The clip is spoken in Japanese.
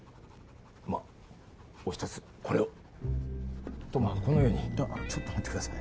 「まっおひとつこれを」とまあこのようにちょっと待ってください